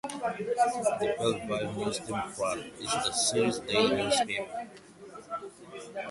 The "Belleville News-Democrat", is the city's daily newspaper.